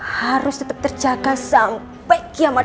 harus tetap terjaga sampai kiamat